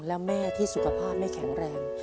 และแม่ที่สุขภาพไม่แข็งแรง